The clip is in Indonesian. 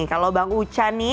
kalau bang uca nih